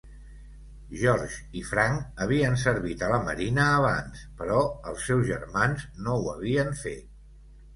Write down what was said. George i Frank havien servit a la Marina abans, però els seus germans no ho havien fet.